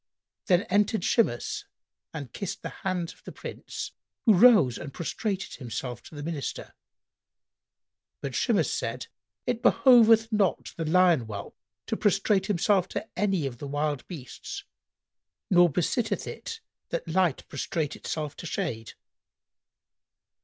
Then entered Shimas and kissed the hands of the Prince, who rose and prostrated himself to the Minister: but Shimas said, "It behoveth not the lion whelp to prostrate himself to any of the wild beasts, nor besitteth it that Light prostrate itself to shade."